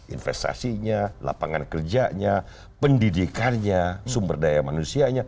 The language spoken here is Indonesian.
investasinya lapangan kerjanya pendidikannya sumber daya manusianya